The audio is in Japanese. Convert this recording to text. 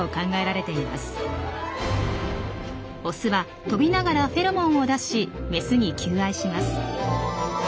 オスは飛びながらフェロモンを出しメスに求愛します。